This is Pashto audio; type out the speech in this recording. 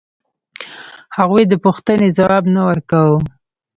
هغوی د پوښتنې ځواب نه ورکاوه.